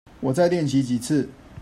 我再練習幾次